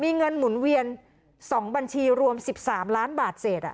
มีเงินหมุนเวียนสองบัญชีรวมสิบสามล้านบาทเศษอ่ะ